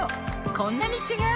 こんなに違う！